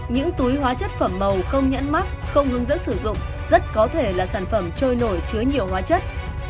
những túi hóa chất phẩm màu không nhãn mắc không hướng dẫn sử dụng rất có thể là sản phẩm trôi nổi chứa nhiều hóa chất